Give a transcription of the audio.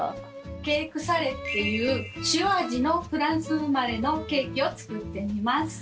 ケークサレっていう塩味のフランス生まれのケーキを作ってみます。